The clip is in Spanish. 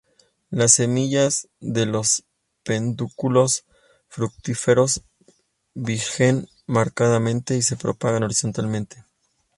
Las semillas de los pedúnculos fructíferos divergen marcadamente y se propagan horizontalmente.